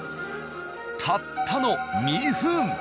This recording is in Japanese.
たったの２分！